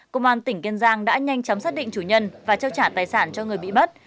công an tỉnh kiên giang đã nhanh chóng xác định chủ nhân và trao trả tài sản cho người bị bắt